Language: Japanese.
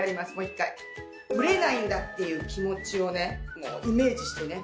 「ブレないんだ」っていう気持ちをねイメージしてね